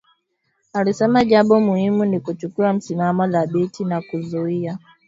Alisema jambo muhimu ni kuchukua msimamo thabiti na kuzuia